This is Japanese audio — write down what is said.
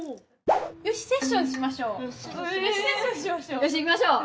よしセッションしましょう！